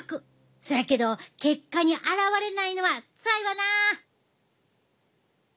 そやけど結果に現れないのはつらいわな。